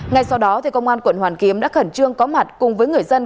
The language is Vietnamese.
ngay sau đó công an quận hoàn kiếm đã khẩn trương có mặt cùng với người dân